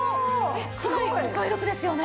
かなりお買い得ですよね！